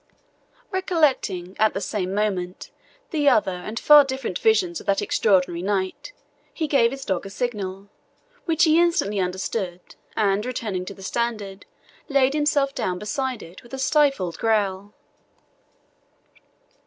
Recollecting, at the same moment, the other and far different visions of that extraordinary night, he gave his dog a signal, which he instantly understood, and, returning to the standard, laid himself down beside it with a stifled growl.